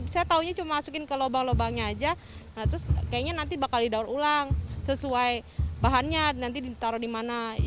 saya taunya cuma masukin ke lubang lubangnya aja terus kayaknya nanti bakal didaur ulang sesuai bahannya nanti ditaruh di mana